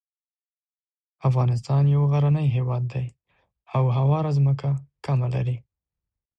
افغانستان یو غرنی هیواد دی او هواره ځمکه کمه لري.